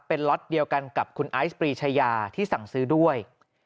เป็นล็อตเดียวกันกับคุณไอซ์ปรีชายาที่สั่งซื้อด้วย